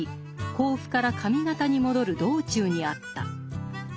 甲府から上方に戻る道中にあった。